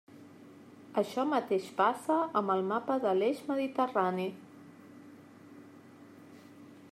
Això mateix passa amb el mapa de l'eix mediterrani.